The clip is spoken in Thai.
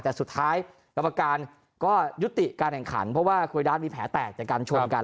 แต่สุดท้ายกรรมการก็ยุติการแข่งขันเพราะว่าคุยดาร์ดมีแผลแตกจากการชนกัน